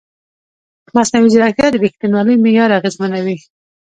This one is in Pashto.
مصنوعي ځیرکتیا د ریښتینولۍ معیار اغېزمنوي.